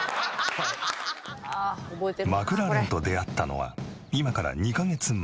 マクラーレンと出会ったのは今から２カ月前。